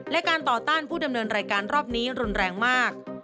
และการต่อต้านผู้ดำเนินรายการรอบนี้รุนแรงมาก